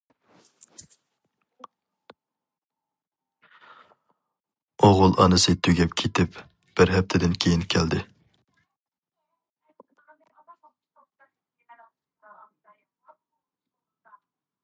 ئوغۇل ئانىسى تۈگەپ كېتىپ بىر ھەپتىدىن كېيىن كەلدى.